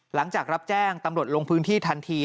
หลังจากรับแจ้งตำรวจลงพื้นที่ทันที